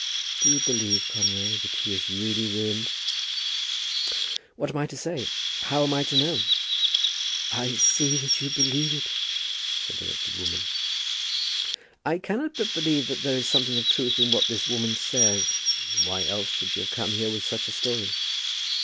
"Do you believe, Conway, that he is really ruined?" "What am I to say? How am I to know?" "I see that you believe it," said the wretched woman. "I cannot but believe that there is something of truth in what this woman says. Why else should she come here with such a story?"